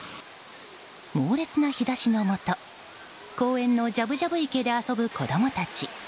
猛烈な日差しのもと公園のじゃぶじゃぶ池で遊ぶ子供たち。